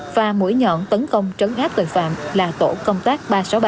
và mũi nhọn tấn công trấn áp tội phạm là tổ công tác ba trăm sáu mươi ba